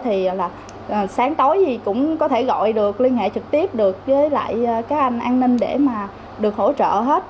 thì sáng tối cũng có thể gọi được liên hệ trực tiếp được với các anh an ninh để được hỗ trợ hết